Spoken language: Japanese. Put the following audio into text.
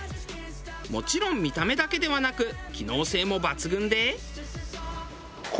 もちろん見た目だけではなく機能性も抜群で。